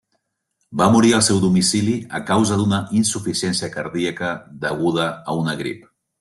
Va morir al seu domicili a causa d'una insuficiència cardíaca deguda a una grip.